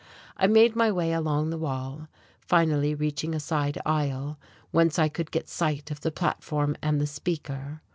I made my way along the wall, finally reaching a side aisle, whence I could get sight of the platform and the speaker.